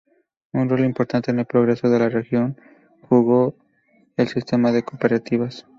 Un rol importante en el progreso de la región jugó el sistema de cooperativas.